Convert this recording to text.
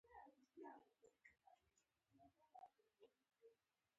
منظم والی ستا پر کرکټر مثبت تاثير لري.